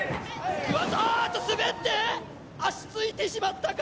あーっと滑って足ついてしまったか？